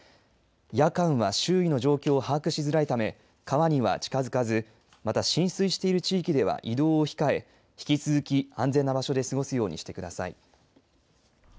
夜間は周囲の状況を把握しづらいため川には近づかずまた浸水している地域では移動を控え引き続き、安全な場所で過ごすようにしてください。